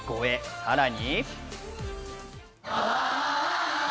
さらに。